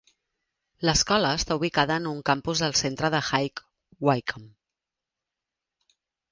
L'escola està ubicada en un campus del centre de High Wycombe.